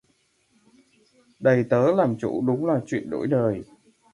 Đầy tớ làm chủ, đúng là chuyện đổi đời